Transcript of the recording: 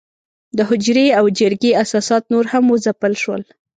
د حجرې او جرګې اساسات نور هم وځپل شول.